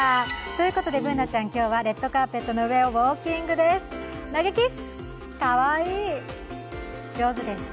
ということでＢｏｏｎａちゃん、今日はレッドカーペットの上をウォーキングです。